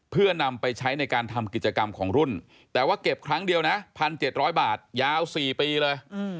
เพื่อนำไปใช้ในการทำกิจกรรมของรุ่นแต่ว่าเก็บครั้งเดียวนะ๑๗๐๐บาทยาว๔ปีเลย